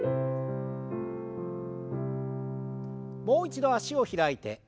もう一度脚を開いて。